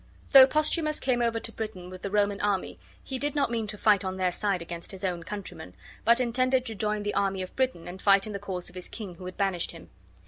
Though Posthumus came over to Britain with the Roman army, he did not mean to fight on their side against his own countrymen, but intended to join the army of Britain and fight in the cause of his king who had banished him.